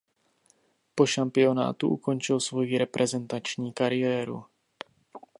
Po šampionátu ukončil svojí reprezentační kariéru.